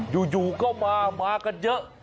อยู่ก็มามากันเยอะ